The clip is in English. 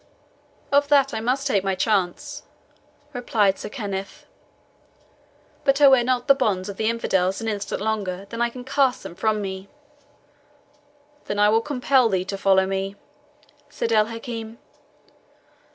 "Of that I must take my chance," replied Sir Kenneth; "but I wear not the bonds of the infidels an instant longer than I can cast them from me." "Then will I compel thee to follow me," said El Hakim.